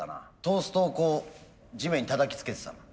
トーストをこう地面にたたきつけてたな。